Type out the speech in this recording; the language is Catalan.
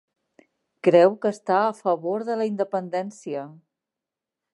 Creu que està a favor de la independència.